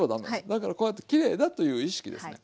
だからこうやってきれいだという意識ですね。